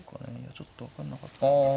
ちょっと分かんなかったんですけど。